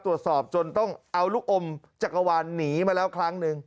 ตรวจสอบจนต้องเอาลูกอมจักรวาลหนีมาแล้วครั้งหนึ่ง